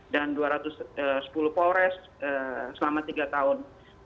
dan dua ratus sepuluh pobres selama tiga tahun